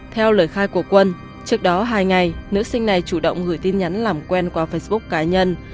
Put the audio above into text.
theo lời khai của quân trước đó hai ngày nữ sinh này chủ động gửi tin nhắn làm quen qua facebook cá nhân